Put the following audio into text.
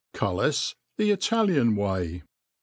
Cullis tbe Italian TVay.